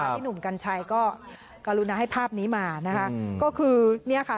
พี่หนุ่มกัญชัยก็กรุณาให้ภาพนี้มานะคะก็คือเนี่ยค่ะ